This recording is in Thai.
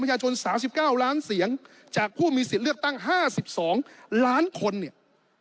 ประชาชนสามสิบเก้าล้านเสียงจากผู้มีสิทธิ์เลือกตั้งห้าสิบสองล้านคนเนี่ย